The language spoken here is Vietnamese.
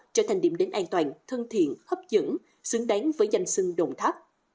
trở thành điểm đến an toàn thân thiện hấp dẫn xứng đáng với danh sưng đồng tháp